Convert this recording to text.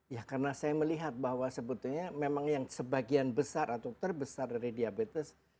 ya karena saya melihat bahwa sebetulnya memang yang sebagian besar atau terbesar dari diabetes